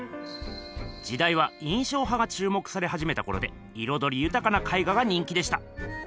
じだいは印象派がちゅう目されはじめたころでいろどりゆたかな絵画が人気でした。